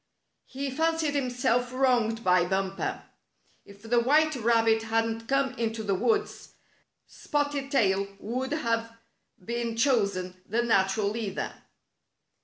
He fancied himself wronged by Bumper. If the white rab bit hadn't come into the woods. Spotted Tail would have been chosen the natural leader.